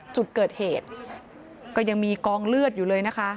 จุดเกิดเหตุก็ยังมีกองเลือดอยู่เลยนะคะ